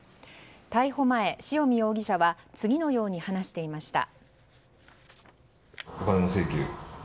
逮捕前、塩見容疑者は次のように話していました。